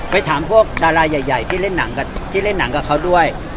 ไปถามพวกดาราใหญ่ที่เล่นหนังกับเขาด้วย